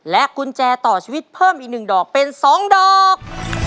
กุญแจต่อชีวิตเพิ่มอีก๑ดอกเป็น๒ดอก